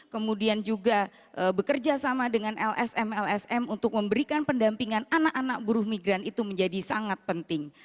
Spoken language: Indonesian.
kemudian juga bekerja sama dengan lsm lsm untuk memberikan pendampingan anak anak buruh migran itu menjadi sangat penting